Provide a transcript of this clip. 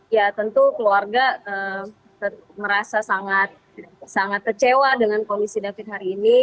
ya tentu keluarga merasa sangat kecewa dengan kondisi david hari ini